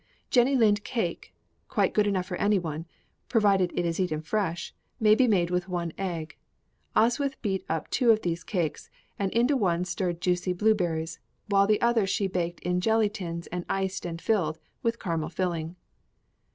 "Jenny Lind cake," quite good enough for anyone provided it is eaten very fresh may be made with one egg. Oswyth beat up two of these cakes, and into one stirred juicy blueberries, while the other she baked in jelly tins, and iced and filled with caramel filling.